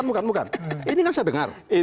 bukan bukan ini kan saya dengar